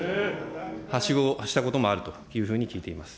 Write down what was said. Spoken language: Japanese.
はしごをしたこともあるというふうに聞いています。